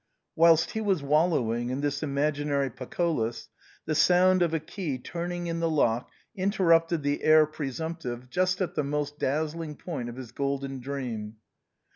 Whilst he was wallowing in this imaginary Pactolua, the sound of a key turning in the lock interrupted th'S heir presumptive just at the most dazzling point of his golden dream.